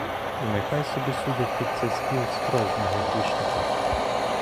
І нехай собі судять під цей спів справжнього грішника.